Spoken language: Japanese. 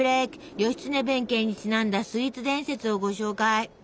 義経弁慶にちなんだスイーツ伝説をご紹介！